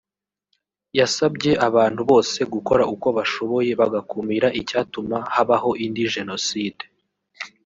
yasabye abantu bose gukora uko bashoboye bagakumira icyatuma habaho indi Jenoside